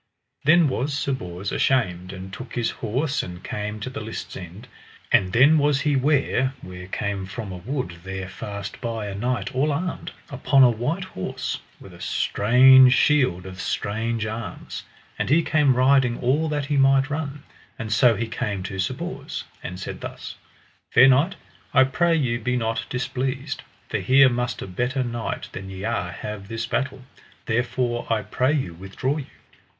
Then was Sir Bors ashamed and took his horse and came to the lists' end. And then was he ware where came from a wood there fast by a knight all armed, upon a white horse, with a strange shield of strange arms; and he came riding all that he might run, and so he came to Sir Bors, and said thus: Fair knight, I pray you be not displeased, for here must a better knight than ye are have this battle, therefore I pray you withdraw you.